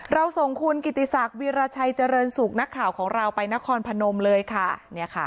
เราส่งคุณกิติศักดิราชัยเจริญสุขนักข่าวของเราไปนครพนมเลยค่ะ